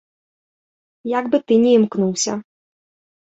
Як бы ты ні імкнуўся.